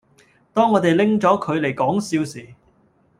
當我地拎左佢黎講笑時